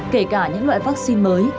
kể cả những loại vaccine mới